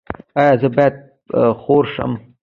ایا زه باید خور شم؟